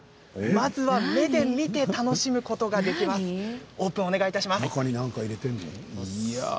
まずは目で見て楽しむことが何？